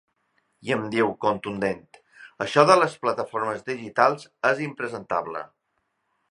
I em diu, contundent: Això de les plataformes digitals és impresentable.